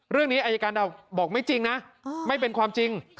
เรื่องนี้อายการดาวบอกไม่จริงนะไม่เป็นความจริง